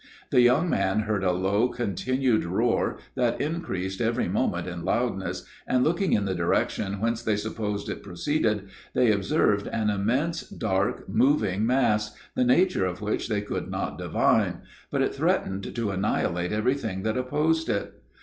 The young man heard a low continued roar, that increased every moment in loudness, and, looking in the direction whence they supposed it proceeded, they observed an immense, dark, moving mass, the nature of which they could not divine, but it threatened to annihilate every thing that opposed it.